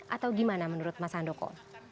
atau gimana menurut mas handoko